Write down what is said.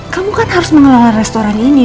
kamu kan harus mengelola restoran ini